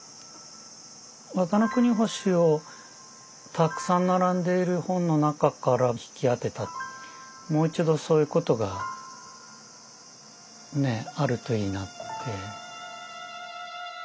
「綿の国星」をたくさん並んでいる本の中から引き当てたもう一度そういうことがねあるといいなって。